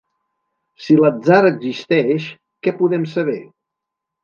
Si l’atzar existeix, què podem saber?